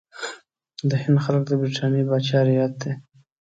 د هند خلک د برټانیې پاچا رعیت دي.